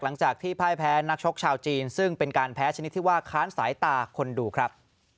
หลังจากที่พ่ายแพ้นักชกชาวจีนซึ่งเป็นการแพ้ชนิดที่ว่าค้านสายตาคนดูครับ